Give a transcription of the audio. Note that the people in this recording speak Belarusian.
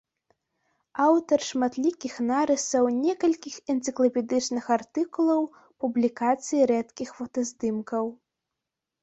Аўтар шматлікіх нарысаў, некалькіх энцыклапедычных артыкулаў, публікацый рэдкіх фотаздымкаў.